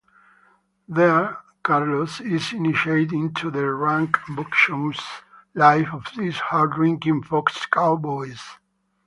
There Carlos is initiated into the rambunctious life of these hard-drinking faux cowboys.